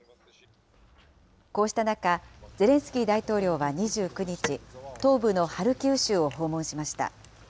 こうした中、ゼレンスキー大統領は２９日、東部のハルキウ州を訪問しました。